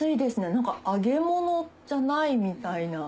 何か揚げ物じゃないみたいな。